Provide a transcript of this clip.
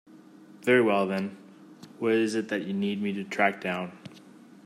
Very well then, what is it that you need me to track down?